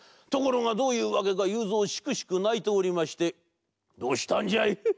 ところがどういうわけかゆうぞうしくしくないておりまして「どうしたんじゃい？」。